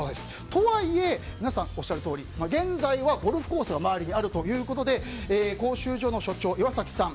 とはいえ、皆さんおっしゃるとおり現在はゴルフコースが周りにあるということで講習所の所長、岩崎さん